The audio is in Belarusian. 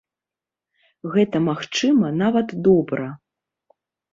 Гэта, магчыма, нават добра.